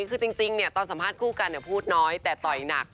คือจริงตอนสัมภาษณ์คู่กันพูดน้อยแต่ต่อยหนัก